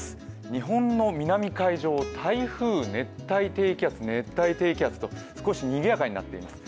日本の南海上、台風、熱帯低気圧、熱帯低気圧と少しにぎやかになっています。